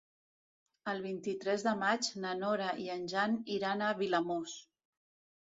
El vint-i-tres de maig na Nora i en Jan iran a Vilamòs.